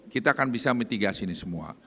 kita akan bisa mitigasi ini semua